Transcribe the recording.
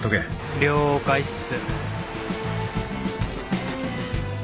了解っす。